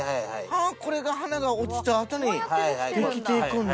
これが花が落ちた後にできていくんだ。